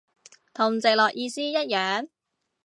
同直落意思一樣？